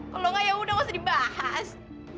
kalau enggak ya udah gak usah dibahas